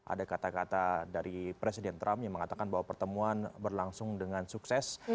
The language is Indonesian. ada kata kata dari presiden trump yang mengatakan bahwa pertemuan berlangsung dengan sukses